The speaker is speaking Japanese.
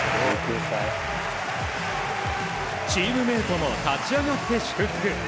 チームメートも立ち上がって祝福。